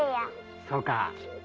そうか。